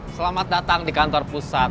selamat datang di kantor pusat